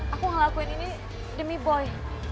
aku ngelakuin ini demi boy